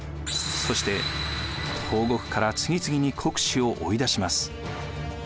そして東国から次々に国司を追い出します。